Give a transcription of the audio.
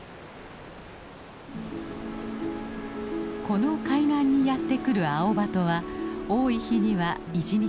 この海岸にやって来るアオバトは多い日には１日３，０００羽以上。